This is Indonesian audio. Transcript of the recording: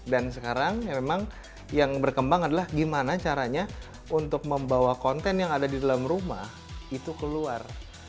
dan sekarang memang yang berkembang adalah gimana caranya untuk membawa konten yang ada di dalam rumah itu keluar